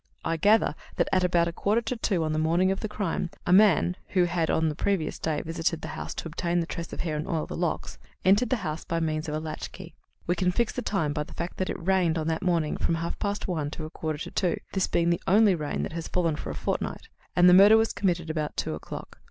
"I gather that at about a quarter to two on the morning of the crime, a man (who had, on the previous day visited the house to obtain the tress of hair and oil the locks) entered the house by means of a latchkey. We can fix the time by the fact that it rained on that morning from half past one to a quarter to two, this being the only rain that has fallen for a fortnight, and the murder was committed at about two o'clock.